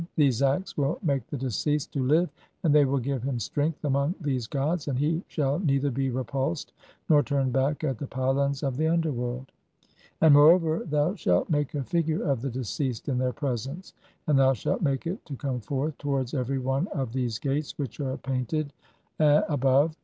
THESE ACTS WILL MAKE THE DECEASED TO LIVE, AND THEY WILL GIVE HIM STRENGTH AMONG (23) THESE GODS, AND HE SHALL NEITHER BE REPULSED NOR TURNED BACK AT THE PYLONS OF THE UNDERWORLD. AND MOREOVER, THOU SHALT MAKE A FIGURE OF THE DECEASED IN THEIR PRESENCE, AND THOU SHALT MAKE IT TO COME FORTH TOWARDS EVERY ONE OF (24) THESE GATES WHICH ARE PAINTED (ABOVE].